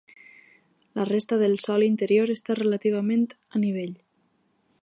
La resta del sòl interior està relativament a nivell.